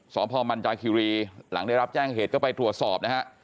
สพมันจาคิรีหลังได้รับแจ้งเหตุก็ไปตรวจสอบนะฮะ